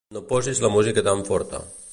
No posis la música tan forta.